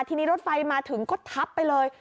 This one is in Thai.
ทีนี้รถไฟมาถึงก็ทับไปเลย